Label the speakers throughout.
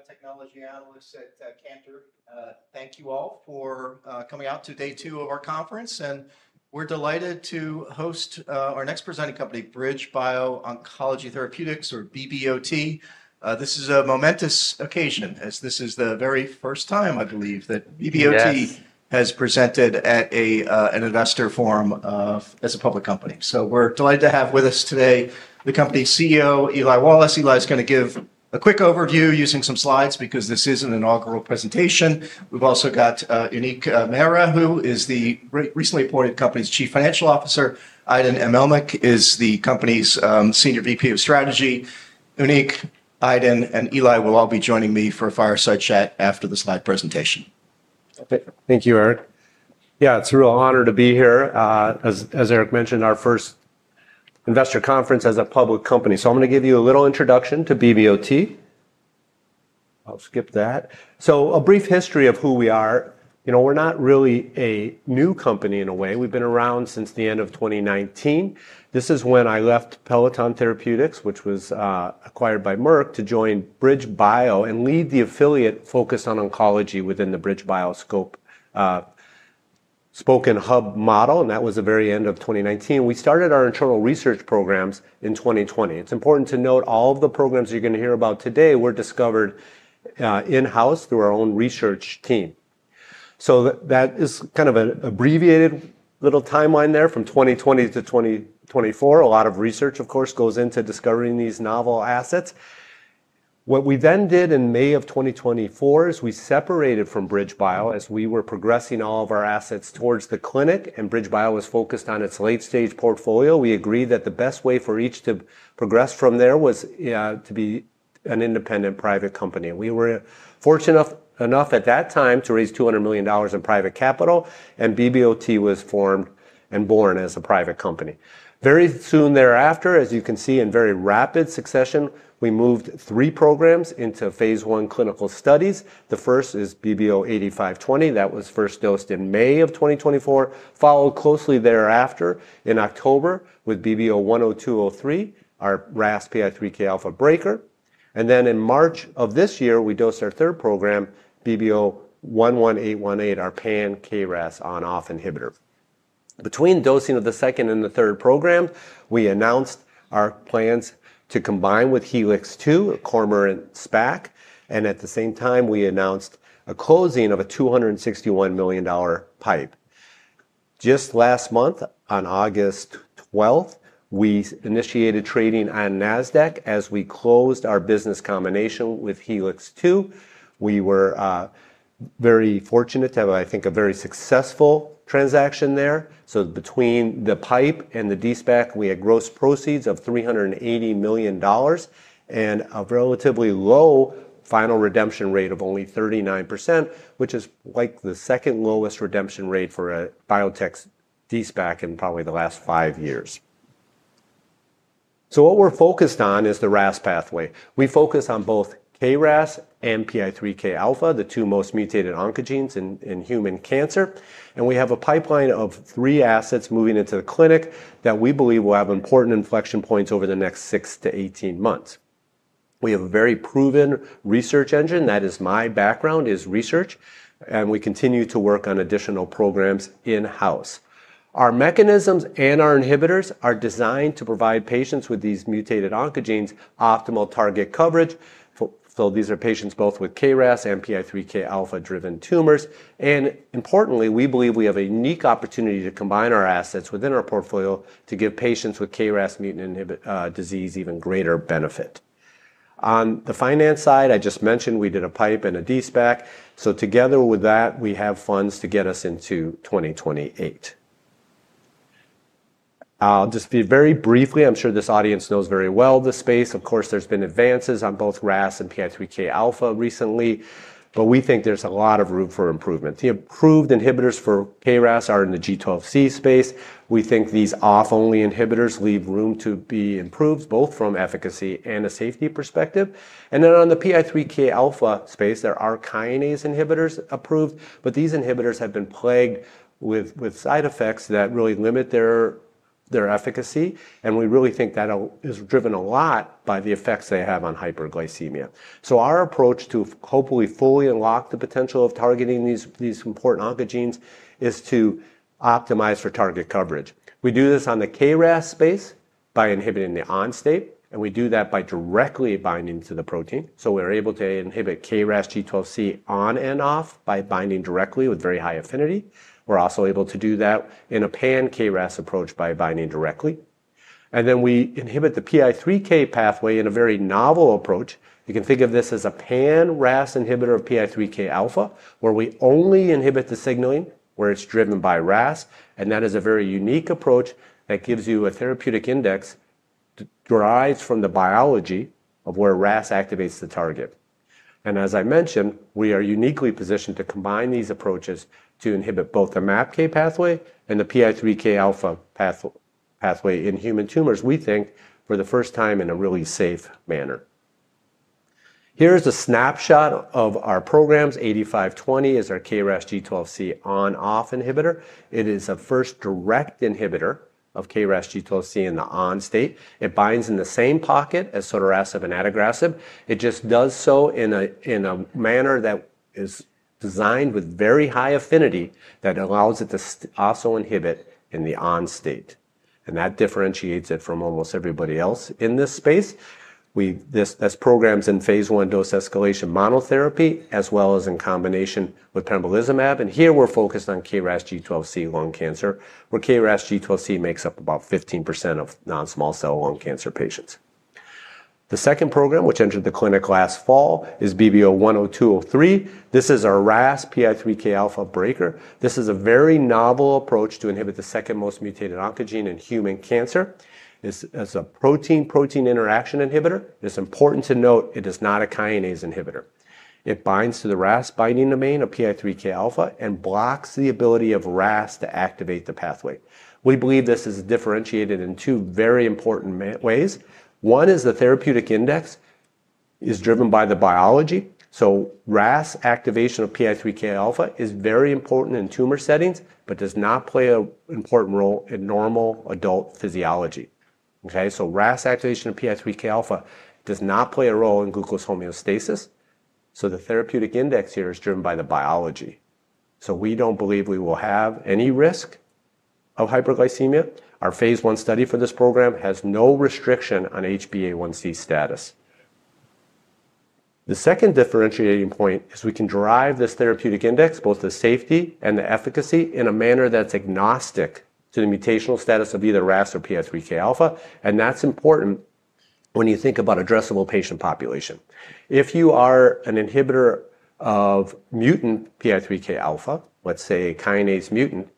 Speaker 1: I'm a technology analyst at Cantor. Thank you all for coming out to day two of our conference. We're delighted to host our next presenting company, BridgeBio Oncology Therapeutics, or BBOT. This is a momentous occasion, as this is the very first time, I believe, that BBOT has presented at an investor forum as a public company. We're delighted to have with us today the company's CEO, Eli Wallace. Eli is going to give a quick overview using some slides because this is an inaugural presentation. We've also got Uneek Mehra, who is the recently appointed company's Chief Financial Officer. Idan Elmelech is the company's Senior Vice President of Strategy. Uneek, Idan, and Eli will all be joining me for a fireside chat after the slide presentation.
Speaker 2: Thank you, Eric. Yeah, it's a real honor to be here. As Eric mentioned, our first investor conference as a public company. I'm going to give you a little introduction to BBOT. I'll skip that. A brief history of who we are. You know, we're not really a new company in a way. We've been around since the end of 2019. This is when I left Peloton Therapeutics, which was acquired by Merck, to join BridgeBio and lead the affiliate focused on oncology within the BridgeBio spoke and hub model. That was the very end of 2019. We started our internal research programs in 2020. It's important to note all of the programs you're going to hear about today were discovered in-house through our own research team. That is kind of an abbreviated little timeline there from 2020-2024. A lot of research, of course, goes into discovering these novel assets. What we then did in May of 2024 is we separated from BridgeBio as we were progressing all of our assets towards the clinic, and BridgeBio was focused on its late-stage portfolio. We agreed that the best way for each to progress from there was to be an independent private company. We were fortunate enough at that time to raise $200 million in private capital, and BBOT was formed and born as a private company. Very soon thereafter, as you can see, in very rapid succession, we moved three programs into phase I clinical studies. The first is BBO-8520. That was first dosed in May of 2024, followed closely thereafter in October with BBO-10203, our RAS PI3K alpha breaker. In March of this year, we dosed our third program, BBO-11818, our pan-KRAS on/off inhibitor. Between dosing of the second and the third program, we announced our plans to combine with Helix II, Cormorant SPAC, and at the same time, we announced a closing of a $261 million PIPE. Just last month, on August 12th, we initiated trading on NASDAQ as we closed our business combination with Helix 2. We were very fortunate to have, I think, a very successful transaction there. Between the PIPE and the D-SPAC, we had gross proceeds of $380 million and a relatively low final redemption rate of only 39%, which is like the second lowest redemption rate for a biotech D-SPAC in probably the last five years. What we're focused on is the RAS pathway. We focus on both KRAS and PI3K alpha, the two most mutated oncogenes in human cancer. We have a pipeline of three assets moving into the clinic that we believe will have important inflection points over the next 6-18 months. We have a very proven research engine. That is, my background is research. We continue to work on additional programs in-house. Our mechanisms and our inhibitors are designed to provide patients with these mutated oncogenes optimal target coverage. These are patients both with KRAS and PI3K alpha-driven tumors. Importantly, we believe we have a unique opportunity to combine our assets within our portfolio to give patients with KRAS mutant disease even greater benefit. On the finance side, I just mentioned we did a PIPE and a D-SPAC. Together with that, we have funds to get us into 2028. I'll just be very brief. I'm sure this audience knows very well the space. Of course, there have been advances on both RAS and PI3K alpha recently. We think there's a lot of room for improvement. The approved inhibitors for KRAS are in the G12C space. We think these off-only inhibitors leave room to be improved both from efficacy and a safety perspective. In the PI3K alpha space, there are kinase inhibitors approved, but these inhibitors have been plagued with side effects that really limit their efficacy. We really think that is driven a lot by the effects they have on hyperglycemia. Our approach to hopefully fully unlock the potential of targeting these important oncogenes is to optimize for target coverage. We do this on the KRAS space by inhibiting the on-state, and we do that by directly binding to the protein. We're able to inhibit KRAS G12C on and off by binding directly with very high affinity. We're also able to do that in a pan-KRAS approach by binding directly. We inhibit the PI3K pathway in a very novel approach. You can think of this as a pan-RAS inhibitor of PI3K alpha, where we only inhibit the signaling where it's driven by RAS. That is a very unique approach that gives you a therapeutic index that derives from the biology of where RAS activates the target. As I mentioned, we are uniquely positioned to combine these approaches to inhibit both the MAPK pathway and the PI3K alpha pathway in human tumors, we think, for the first time in a really safe manner. Here's a snapshot of our programs. BBO-8520 is our KRAS G12C on/off inhibitor. It is the first direct inhibitor of KRAS G12C in the on-state. It binds in the same pocket as sotorasib and adagrasib. It just does so in a manner that is designed with very high affinity that allows it to also inhibit in the on-state. That differentiates it from almost everybody else in this space. We have programs in phase I dose escalation monotherapy, as well as in combination with pembrolizumab. Here we're focused on KRAS G12C lung cancer, where KRAS G12C makes up about 15% of non-small cell lung cancer patients. The second program, which entered the clinic last fall, is BBO-10203. This is our RAS PI3K alpha breaker. This is a very novel approach to inhibit the second most mutated oncogene in human cancer. It's a protein-protein interaction inhibitor. It's important to note it is not a kinase inhibitor. It binds to the RAS binding domain of PI3K alpha and blocks the ability of RAS to activate the pathway. We believe this is differentiated in two very important ways. One is the therapeutic index is driven by the biology. RAS activation of PI3K alpha is very important in tumor settings, but does not play an important role in normal adult physiology. RAS activation of PI3K alpha does not play a role in glucose homeostasis. The therapeutic index here is driven by the biology. We don't believe we will have any risk of hyperglycemia. Our phase I study for this program has no restriction on HbA1c status. The second differentiating point is we can drive this therapeutic index, both the safety and the efficacy, in a manner that's agnostic to the mutational status of either RAS or PI3K alpha. That's important when you think about addressable patient population. If you are an inhibitor of mutant PI3K alpha, let's say a kinase mutant,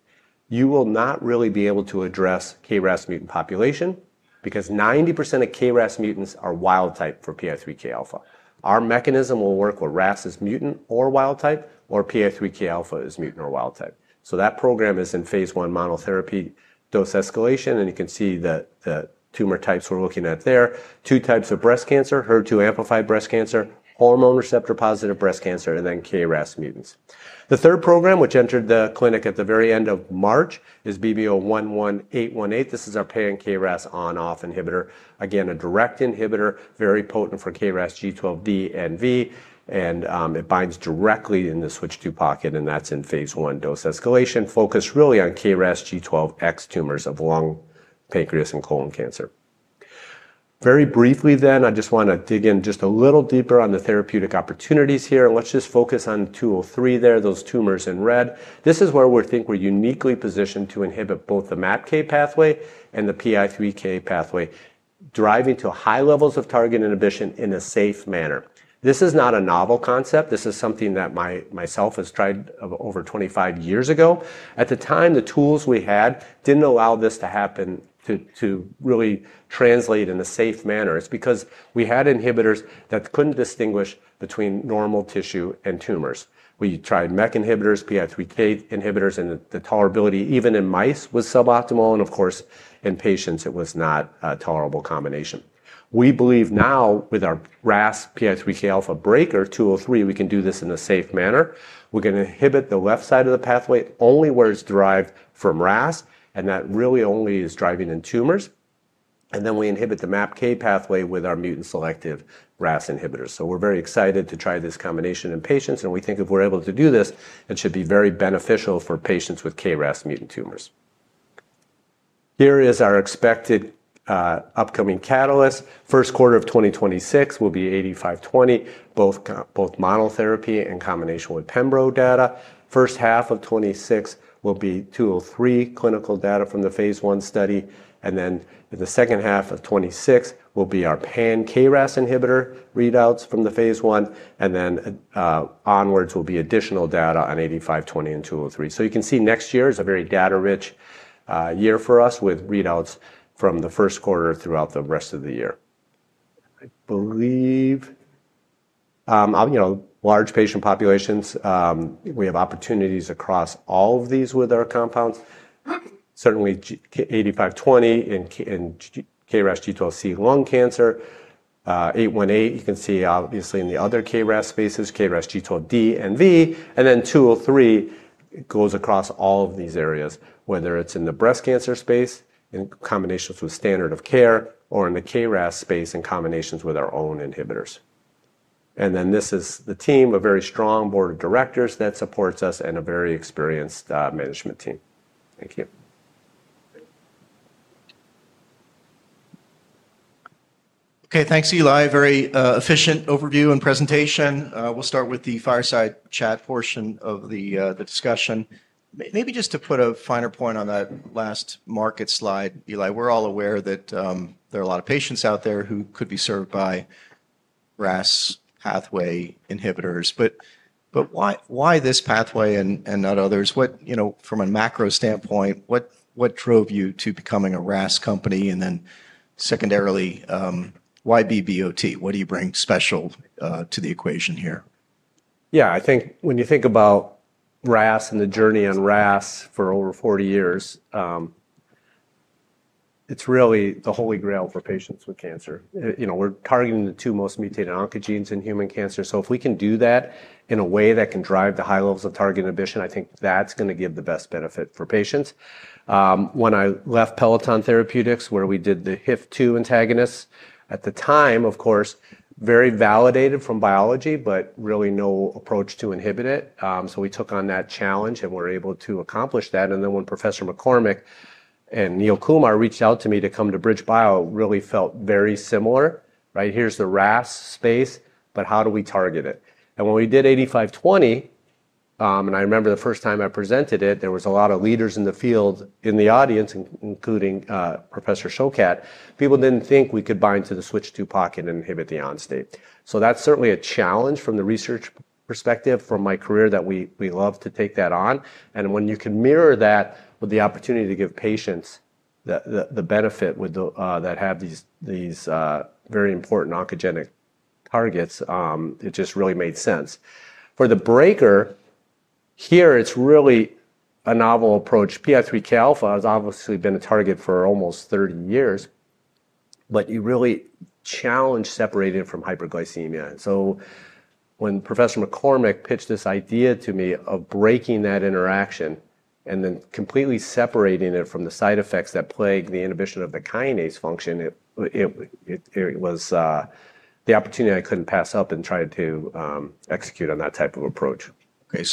Speaker 2: you will not really be able to address KRAS mutant population because 90% of KRAS mutants are wild type for PI3K alpha. Our mechanism will work where RAS is mutant or wild type or PI3K alpha is mutant or wild type. That program is in phase I monotherapy dose escalation. You can see the tumor types we're looking at there. Two types of breast cancer: HER2 amplified breast cancer, hormone receptor positive breast cancer, and then KRAS mutants. The third program, which entered the clinic at the very end of March, is BBO-11818. This is our PAN-KRAS on/off inhibitor. Again, a direct inhibitor, very potent for KRAS G12D and KRAS G12V. It binds directly in the Switch-II Pocket. That's in phase I dose escalation, focused really on KRAS G12X tumors of lung, pancreas, and colon cancer. Very briefly, then, I just want to dig in just a little deeper on the therapeutic opportunities here. Let's just focus on 203 there, those tumors in red. This is where we think we're uniquely positioned to inhibit both the MAPK pathway and the PI3K pathway, driving to high levels of target inhibition in a safe manner. This is not a novel concept. This is something that myself has tried over 25 years ago. At the time, the tools we had didn't allow this to happen to really translate in a safe manner. It's because we had inhibitors that couldn't distinguish between normal tissue and tumors. We tried MEK inhibitors, PI3K inhibitors, and the tolerability even in mice was suboptimal. Of course, in patients, it was not a tolerable combination. We believe now with our RAS PI3K alpha breaker, 203, we can do this in a safe manner. We're going to inhibit the left side of the pathway only where it's derived from RAS. That really only is driving in tumors. Then we inhibit the MAPK pathway with our mutant selective RAS inhibitors. We're very excited to try this combination in patients. We think if we're able to do this, it should be very beneficial for patients with KRAS mutant tumors. Here is our expected upcoming catalyst. First quarter of 2026 will be 8520, both monotherapy and combination with Pembro data. First half of 2026 will be 203 clinical data from the phase I study. The second half of 2026 will be our pan-KRAS inhibitor readouts from the phase I. Onwards will be additional data on 8520 and 203. You can see next year is a very data-rich year for us with readouts from the first quarter throughout the rest of the year. I believe large patient populations, we have opportunities across all of these with our compounds. Certainly, 8520 in KRAS G12C lung cancer. 818, you can see, obviously, in the other KRAS spaces, KRAS G12D and G12V. 203 goes across all of these areas, whether it's in the breast cancer space in combinations with standard of care or in the KRAS space in combinations with our own inhibitors. This is the team, a very strong board of directors that supports us and a very experienced management team. Thank you.
Speaker 1: OK, thanks, Eli. Very efficient overview and presentation. We'll start with the fireside chat portion of the discussion. Maybe just to put a finer point on that last market slide, Eli, we're all aware that there are a lot of patients out there who could be served by RAS pathway inhibitors. Why this pathway and not others? From a macro standpoint, what drove you to becoming a RAS company? Secondarily, why BridgeBio Oncology Therapeutics? What do you bring special to the equation here?
Speaker 2: Yeah. I think when you think about RAS and the journey on RAS for over 40 years, it's really the holy grail for patients with cancer. We're targeting the two most mutated oncogenes in human cancer. If we can do that in a way that can drive to high levels of target inhibition, I think that's going to give the best benefit for patients. When I left Peloton Therapeutics, where we did the HIF2 antagonists, at the time, of course, very validated from biology, but really no approach to inhibit it. We took on that challenge and were able to accomplish that. When Professor McCormick and Neil Kumar reached out to me to come to BridgeBio, it really felt very similar. Here is the RAS space, but how do we target it? When we did BBO-8520, and I remember the first time I presented it, there were a lot of leaders in the field in the audience, including Professor Shokat. People didn't think we could bind to the Switch-II Pocket and inhibit the on-state. That's certainly a challenge from the research perspective from my career that we love to take that on. When you can mirror that with the opportunity to give patients the benefit that have these very important oncogenic targets, it just really made sense. For the breaker here, it's really a novel approach. PI3K alpha has obviously been a target for almost 30 years. You really challenge separating it from hyperglycemia. When Professor McCormick pitched this idea to me of breaking that interaction and then completely separating it from the side effects that plague the inhibition of the kinase function, it was the opportunity I couldn't pass up and tried to execute on that type of approach.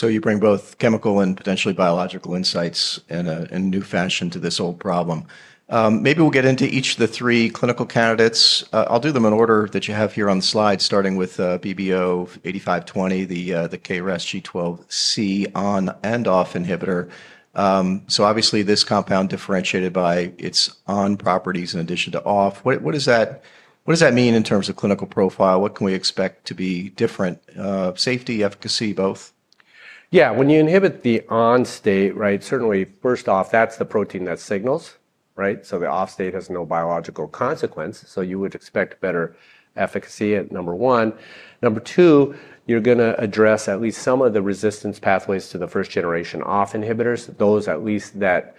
Speaker 1: You bring both chemical and potentially biological insights in a new fashion to this old problem. Maybe we'll get into each of the three clinical candidates. I'll do them in order that you have here on the slide, starting with BBO-8520, the KRAS G12C on/off inhibitor. Obviously, this compound is differentiated by its on properties in addition to off. What does that mean in terms of clinical profile? What can we expect to be different? Safety, efficacy, both?
Speaker 2: Yeah, when you inhibit the on-state. Certainly, first off, that's the protein that signals. The off-state has no biological consequence, so you would expect better efficacy at number one. Number two, you're going to address at least some of the resistance pathways to the first-generation off inhibitors, those at least that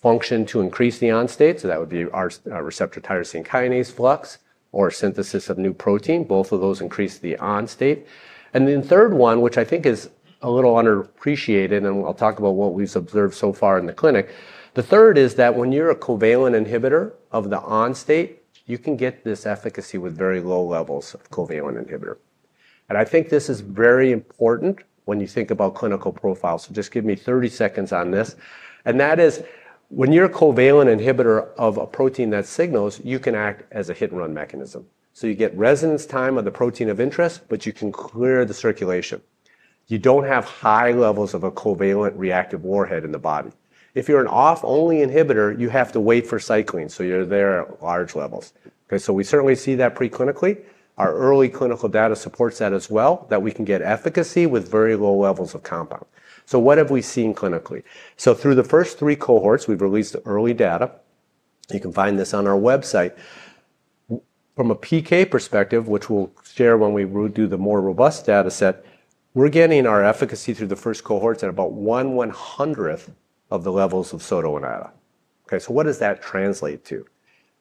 Speaker 2: function to increase the on-state. That would be our receptor tyrosine kinase flux or synthesis of new protein. Both of those increase the on-state. The third one, which I think is a little underappreciated, and I'll talk about what we've observed so far in the clinic, is that when you're a covalent inhibitor of the on-state, you can get this efficacy with very low levels of covalent inhibitor. I think this is very important when you think about clinical profiles. Just give me 30 seconds on this. When you're a covalent inhibitor of a protein that signals, you can act as a hit-and-run mechanism. You get resonance time of the protein of interest, but you can clear the circulation. You don't have high levels of a covalent reactive warhead in the body. If you're an off-only inhibitor, you have to wait for cycline, so you're there at large levels. We certainly see that preclinically. Our early clinical data supports that as well, that we can get efficacy with very low levels of compound. What have we seen clinically? Through the first three cohorts, we've released early data. You can find this on our website. From a PK perspective, which we'll share when we do the more robust data set, we're getting our efficacy through the first cohorts at about 1/100 of the levels of sodoinib. What does that translate to?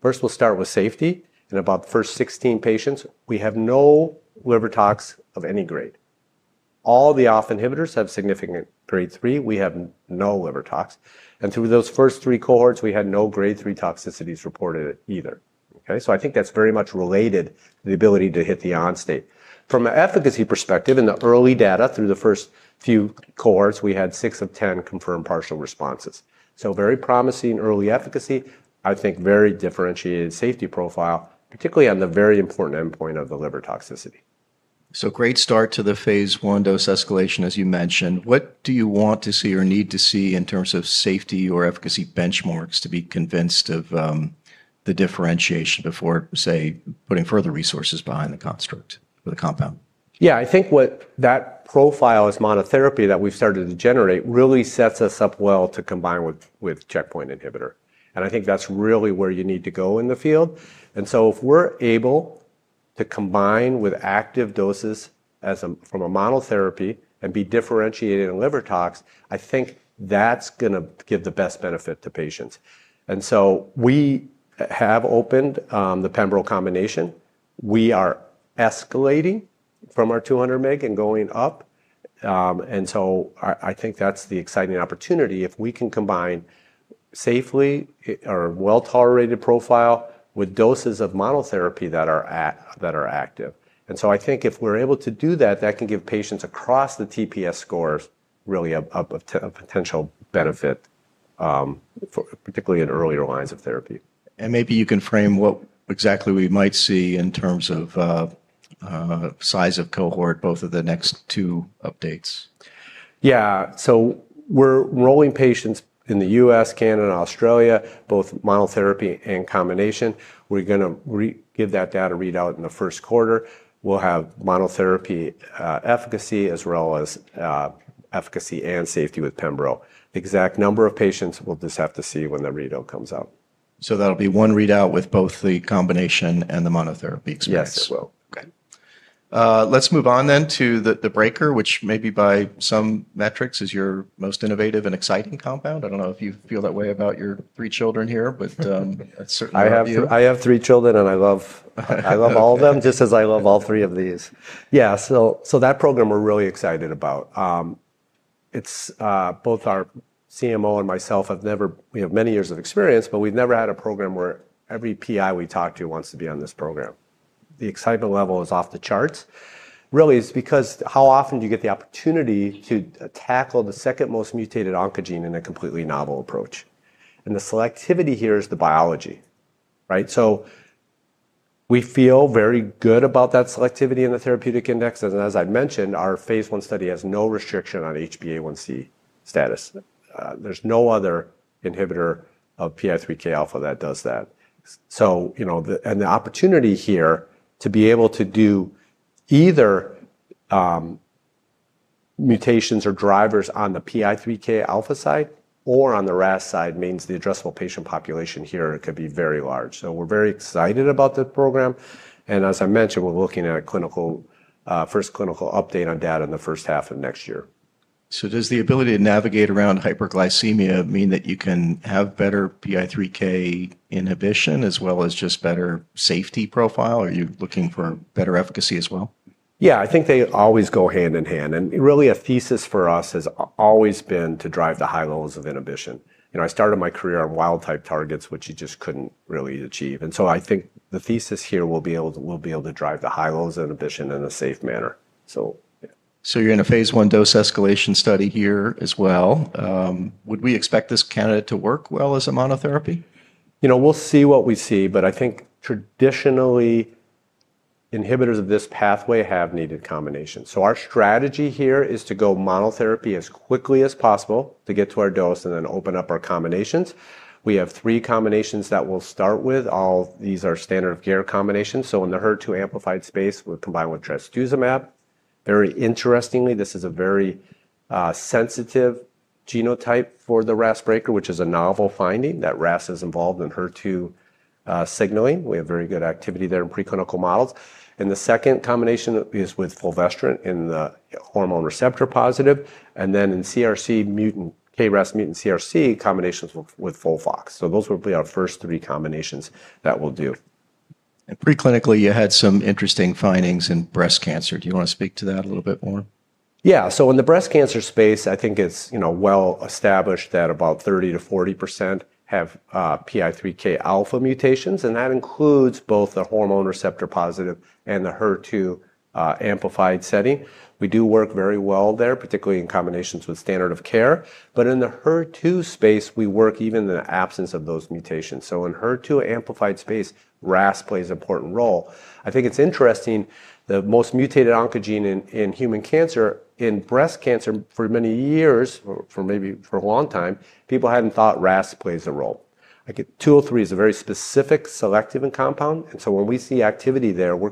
Speaker 2: First, we'll start with safety. In about the first 16 patients, we have no liver tox of any grade. All the off inhibitors have significant grade 3. We have no liver tox. Through those first three cohorts, we had no grade 3 toxicities reported either. I think that's very much related to the ability to hit the on-state. From an efficacy perspective, in the early data through the first few cohorts, we had 6 of 10 confirmed partial responses. Very promising early efficacy. I think very differentiated safety profile, particularly on the very important endpoint of the liver toxicity.
Speaker 1: Great start to the phase I dose escalation, as you mentioned. What do you want to see or need to see in terms of safety or efficacy benchmarks to be convinced of the differentiation before, say, putting further resources behind the construct for the compound?
Speaker 2: Yeah, I think what that profile as monotherapy that we've started to generate really sets us up well to combine with checkpoint inhibitor. I think that's really where you need to go in the field. If we're able to combine with active doses from a monotherapy and be differentiated in liver tox, I think that's going to give the best benefit to patients. We have opened the pembrolizumab combination. We are escalating from our 200 mg and going up. I think that's the exciting opportunity. If we can combine safely or well-tolerated profile with doses of monotherapy that are active, I think if we're able to do that, that can give patients across the TPS scores really a potential benefit, particularly in earlier lines of therapy.
Speaker 1: Could you frame what exactly we might see in terms of size of cohort for both of the next two updates?
Speaker 2: Yeah, so we're enrolling patients in the U.S., Canada, and Australia, both monotherapy and combination. We're going to give that data readout in the first quarter. We'll have monotherapy efficacy as well as efficacy and safety with pembrolizumab. The exact number of patients, we'll just have to see when the readout comes out.
Speaker 1: That'll be one readout with both the combination and the monotherapy as well.
Speaker 2: Yes.
Speaker 1: Let's move on then to the breaker, which maybe by some metrics is your most innovative and exciting compound. I don't know if you feel that way about your three children here, but certainly.
Speaker 2: I have three children, and I love all of them, just as I love all three of these. Yeah, that program we're really excited about. Both our CMO and myself have many years of experience, but we've never had a program where every PI we talk to wants to be on this program. The excitement level is off the charts. Really, it's because how often do you get the opportunity to tackle the second most mutated oncogene in a completely novel approach? The selectivity here is the biology, right? We feel very good about that selectivity in the therapeutic index. As I mentioned, our phase I study has no restriction on HbA1c status. There's no other inhibitor of PI3K alpha that does that. The opportunity here to be able to do either mutations or drivers on the PI3K alpha side or on the RAS side means the addressable patient population here could be very large. We're very excited about this program. As I mentioned, we're looking at a first clinical update on data in the first half of next year.
Speaker 1: Does the ability to navigate around hyperglycemia mean that you can have better PI3K alpha inhibition as well as just a better safety profile? Are you looking for better efficacy as well?
Speaker 2: I think they always go hand in hand. Really, a thesis for us has always been to drive the high levels of inhibition. I started my career on wild type targets, which you just couldn't really achieve. I think the thesis here will be able to drive the high levels of inhibition in a safe manner.
Speaker 1: You're in a phase I dose escalation study here as well. Would we expect this candidate to work well as a monotherapy?
Speaker 2: We'll see what we see. I think traditionally, inhibitors of this pathway have needed combinations. Our strategy here is to go monotherapy as quickly as possible to get to our dose and then open up our combinations. We have three combinations that we'll start with. All these are standard of care combinations. In the HER2 amplified space, we'll combine with trastuzumab. Very interestingly, this is a very sensitive genotype for the RAS breaker, which is a novel finding that RAS is involved in HER2 signaling. We have very good activity there in preclinical models. The second combination is with fulvestrant in the hormone receptor positive. In KRAS mutant CRC, combinations with FOLFOX. Those will be our first three combinations that we'll do.
Speaker 1: Preclinically, you had some interesting findings in breast cancer. Do you want to speak to that a little bit more?
Speaker 2: Yeah, so in the breast cancer space, I think it's well established that about 30%-40% have PI3K alpha mutations. That includes both the hormone receptor positive and the HER2 amplified setting. We do work very well there, particularly in combinations with standard of care. In the HER2 space, we work even in the absence of those mutations. In HER2 amplified space, RAS plays an important role. I think it's interesting the most mutated oncogene in human cancer, in breast cancer for many years, for maybe a long time, people hadn't thought RAS plays a role. I get 203 is a very specific selective compound. When we see activity there, we're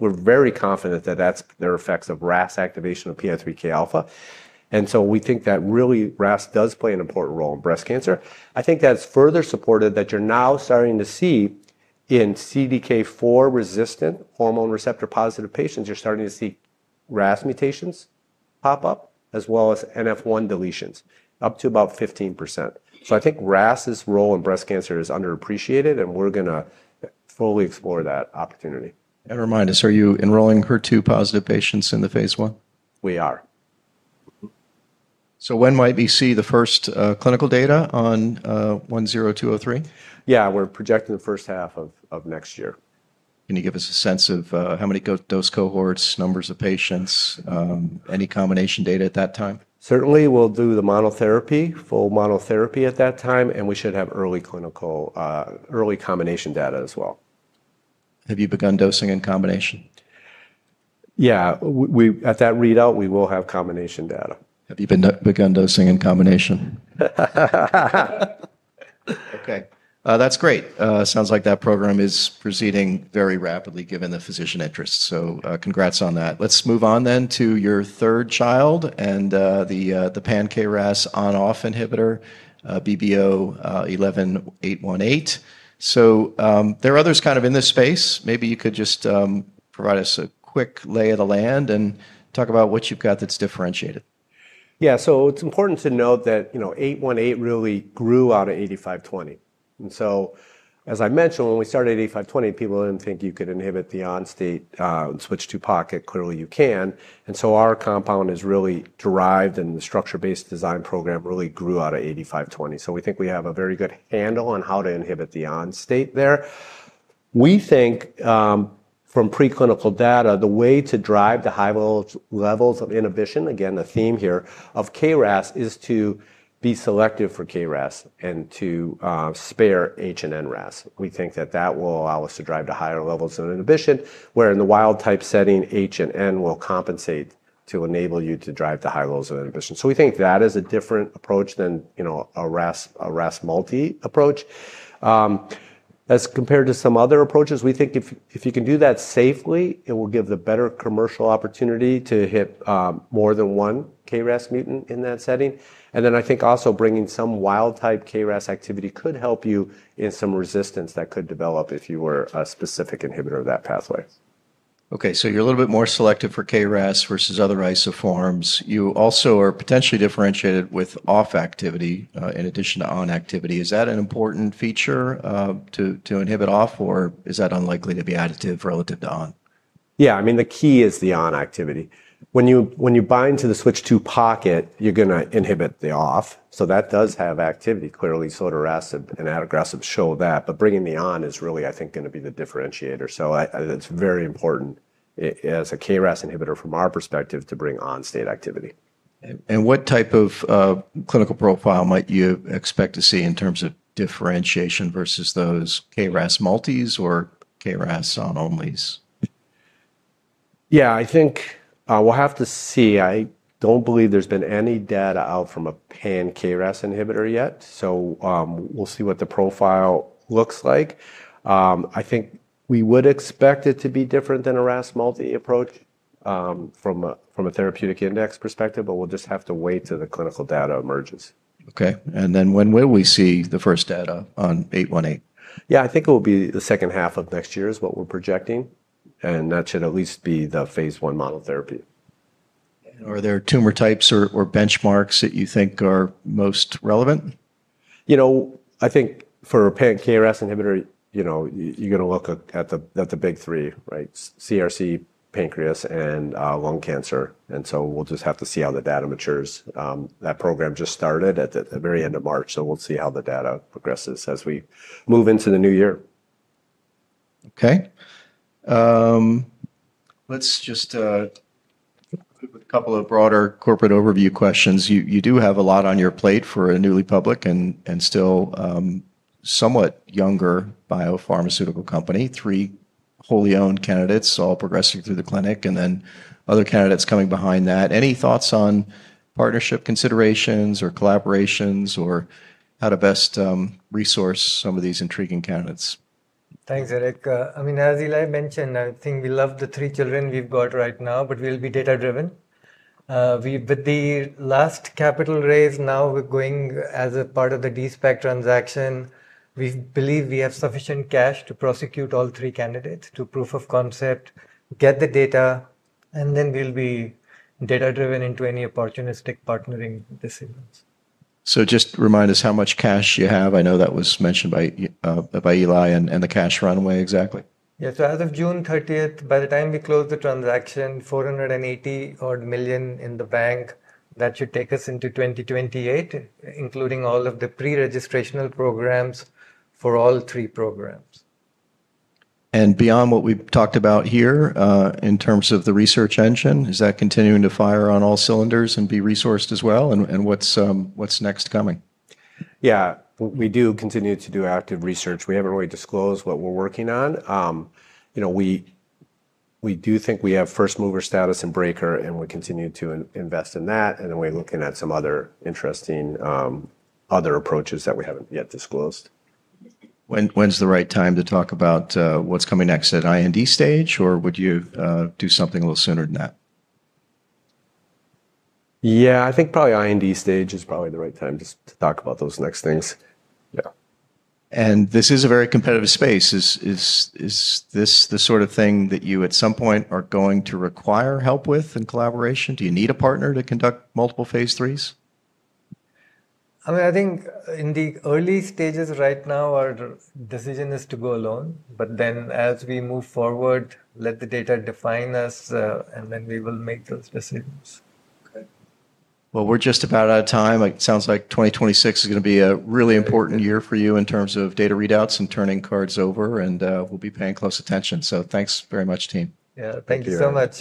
Speaker 2: very confident that that's the effects of RAS activation of PI3K alpha. We think that really RAS does play an important role in breast cancer. I think that's further supported that you're now starting to see in CDK4 resistant hormone receptor positive patients, you're starting to see RAS mutations pop up, as well as NF1 deletions up to about 15%. I think RAS's role in breast cancer is underappreciated. We're going to fully explore that opportunity.
Speaker 1: Remind us, are you enrolling HER2 positive patients in the phase I?
Speaker 2: We are.
Speaker 1: When might we see the first clinical data on BBO-10203?
Speaker 2: Yeah, we're projecting the first half of next year.
Speaker 1: Can you give us a sense of how many dose cohorts, numbers of patients, any combination data at that time?
Speaker 2: Certainly, we'll do the full monotherapy at that time. We should have early clinical, early combination data as well.
Speaker 1: Have you begun dosing in combination?
Speaker 2: Yeah, at that readout, we will have combination data.
Speaker 1: Have you begun dosing in combination? OK, that's great. Sounds like that program is proceeding very rapidly given the physician interest. Congrats on that. Let's move on to your third child and the pan-KRAS on/off inhibitor, BBO-11818. There are others in this space. Maybe you could just provide us a quick lay of the land and talk about what you've got that's differentiated.
Speaker 2: Yeah, it's important to note that BBO-11818 really grew out of BBO-8520. As I mentioned, when we started BBO-8520, people didn't think you could inhibit the on-state and switch to pocket. Clearly, you can. Our compound is really derived in the structure-based design program, really grew out of BBO-8520. We think we have a very good handle on how to inhibit the on-state there. We think from preclinical data, the way to drive the high levels of inhibition, again, the theme here of KRAS, is to be selective for KRAS and to spare H and N RAS. We think that will allow us to drive to higher levels of inhibition, where in the wild type setting, H and N will compensate to enable you to drive to high levels of inhibition. That is a different approach than a RAS multi approach. As compared to some other approaches, we think if you can do that safely, it will give the better commercial opportunity to hit more than one KRAS mutant in that setting. I think also bringing some wild type KRAS activity could help you in some resistance that could develop if you were a specific inhibitor of that pathway.
Speaker 1: OK, so you're a little bit more selective for KRAS versus other isoforms. You also are potentially differentiated with off activity in addition to on activity. Is that an important feature to inhibit off, or is that unlikely to be additive relative to on?
Speaker 2: Yeah, I mean, the key is the on activity. When you bind to the Switch-II Pocket, you're going to inhibit the off. That does have activity. Clearly, sotorasib and adagrasib show that. Bringing the on is really, I think, going to be the differentiator. It is very important as a KRAS inhibitor from our perspective to bring on-state activity.
Speaker 1: What type of clinical profile might you expect to see in terms of differentiation versus those KRAS multis or KRAS on-onlys?
Speaker 2: I think we'll have to see. I don't believe there's been any data out from a pan-KRAS inhibitor yet. We'll see what the profile looks like. I think we would expect it to be different than a RAS multi approach from a therapeutic index perspective. We'll just have to wait till the clinical data emerges.
Speaker 1: OK, when will we see the first data on BBO-11818?
Speaker 2: Yeah, I think it will be the second half of next year is what we're projecting. That should at least be the phase I monotherapy.
Speaker 1: Are there tumor types or benchmarks that you think are most relevant?
Speaker 2: I think for a pan-KRAS inhibitor, you're going to look at the big three, right? CRC, pancreas, and lung cancer. We'll just have to see how the data matures. That program just started at the very end of March. We'll see how the data progresses as we move into the new year.
Speaker 1: OK, let's just start with a couple of broader corporate overview questions. You do have a lot on your plate for a newly public and still somewhat younger biopharmaceutical company, three wholly owned candidates, all progressing through the clinic, and then other candidates coming behind that. Any thoughts on partnership considerations or collaborations or how to best resource some of these intriguing candidates?
Speaker 3: Thanks, Eric. I mean, as Eli mentioned, I think we love the three children we've got right now, but we'll be data-driven. With the last capital raise, now we're going as a part of the D-SPAC transaction. We believe we have sufficient cash to prosecute all three candidates to proof of concept, get the data, and then we'll be data-driven into any opportunistic partnering decisions.
Speaker 1: Remind us how much cash you have. I know that was mentioned by Eli and the cash runway exactly.
Speaker 3: Yeah, as of June 30, by the time we close the transaction, $480 million in the bank, that should take us into 2028, including all of the preregistrational programs for all three programs.
Speaker 1: Beyond what we've talked about here in terms of the research engine, is that continuing to fire on all cylinders and be resourced as well? What's next coming?
Speaker 2: Yeah, we do continue to do active research. We haven't really disclosed what we're working on. We do think we have first mover status in breaker, and we continue to invest in that. We're looking at some other interesting approaches that we haven't yet disclosed.
Speaker 1: When's the right time to talk about what's coming next? Is it IND stage, or would you do something a little sooner than that?
Speaker 2: Yeah, I think probably IND stage is probably the right time to talk about those next things.
Speaker 1: This is a very competitive space. Is this the sort of thing that you at some point are going to require help with in collaboration? Do you need a partner to conduct multiple phase IIIs?
Speaker 3: I think in the early stages right now, our decision is to go alone. As we move forward, let the data define us, and then we will make those decisions.
Speaker 1: We're just about out of time. It sounds like 2026 is going to be a really important year for you in terms of data readouts and turning cards over. We'll be paying close attention. Thanks very much, team.
Speaker 3: Thank you so much.